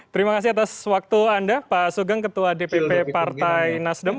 terima kasih atas waktu anda pak sugeng ketua dpp partai nasdem